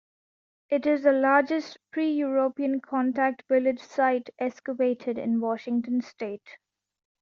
It is the largest pre-European contact village site excavated in Washington State.